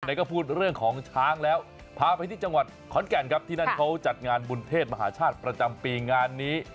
ไหนก็พูดเรื่องของช้างแล้วพาไปที่จังหวัดขอนแก่นครับที่นั่นเขาจัดงานบุญเทศมหาชาติประจำปีงานนี้